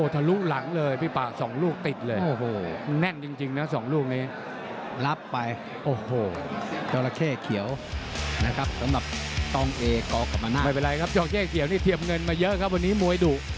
ถ้าคู่เปิดหัวแบบนี้เดี๋ยวดูทุกคู่